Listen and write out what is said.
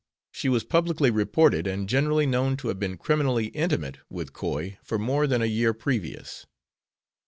She was publicly reported and generally known to have been criminally intimate with Coy for more than a year previous.